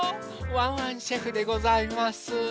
ワンワンシェフでございます。